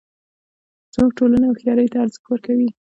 زموږ ټولنه هوښیارۍ ته ارزښت ورکوي